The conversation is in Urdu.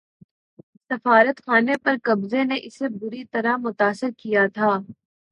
سفارت خانے پر قبضے نے اسے بری طرح متاثر کیا تھا